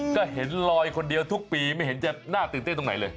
ก็เห็นลอยคนเดียวทุกปีไม่เห็นจะน่าตื่นเต้นตรงไหนเลย